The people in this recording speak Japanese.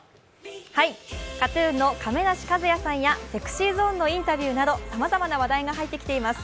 ＫＡＴ−ＴＵＮの亀梨和也さんやＳｅｘｙＺｏｎｅのインタビューなどさまざまな話題が入ってきています。